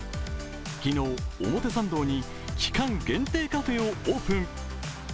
昨日、表参道に期間限定カフェをオープン。